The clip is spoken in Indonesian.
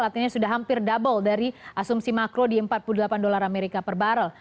artinya sudah hampir double dari asumsi makro di empat puluh delapan dolar amerika per barrel